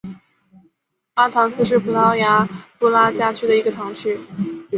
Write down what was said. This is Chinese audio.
阿唐斯是葡萄牙布拉加区的一个堂区。